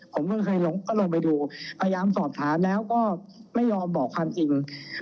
ผมก็เคยลงก็ลงไปดูพยายามสอบถามแล้วก็ไม่ยอมบอกความจริง